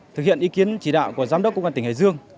thực hiện ý kiến chỉ đạo của giám đốc công an tỉnh hải dương